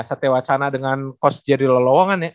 satya wasana dengan coach jerry lolowang kan ya